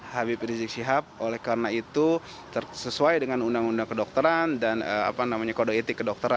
habib rizik syihab oleh karena itu sesuai dengan undang undang kedokteran dan kode etik kedokteran